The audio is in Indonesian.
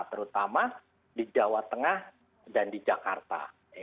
terutama di jawa tengah dan di jakarta